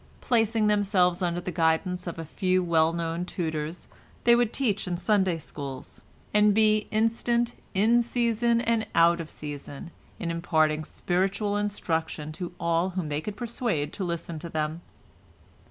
Placing themselves under the guidance of a few well known tutors they would teach in Sunday Schools, and be instant, in season and out of season, in imparting spiritual instruction to all whom they could persuade to listen to them.